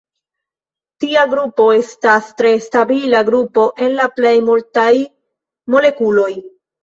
Tia grupo estas tre stabila grupo en la plej multaj molekuloj.